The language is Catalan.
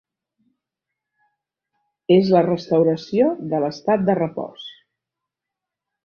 És la restauració de l'estat de repòs.